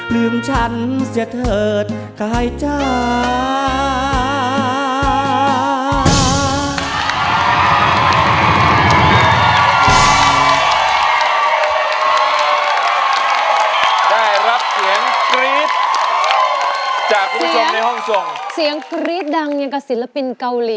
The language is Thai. ลืมฉันเสียเถิดกายใจ